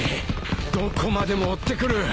どこまでも追ってくる。